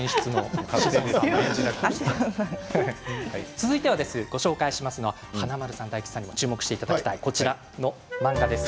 続いて、ご紹介するのは華丸さん、大吉さんにも注目していただきたい漫画です。